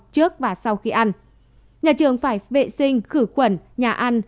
trước và sau khi ăn nhà trường phải vệ sinh khử khuẩn nhà ăn